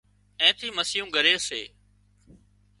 اين ٿي مسيون ڳري سي